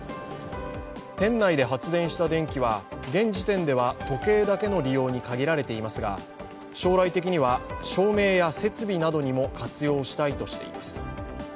店内で発電した電気は現時点では、時計だけの利用に限られていますが将来的には照明や設備などにも活用したいとしています。